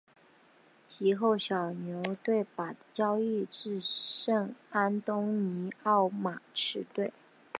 及后小牛队把他交易至圣安东尼奥马刺队。